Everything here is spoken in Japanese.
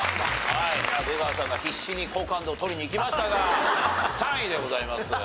はい出川さんが必死に好感度を取りにいきましたが３位でございます。